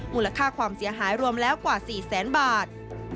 มูลค่าความเสียหายรวมแล้วกว่า๔แสนบาท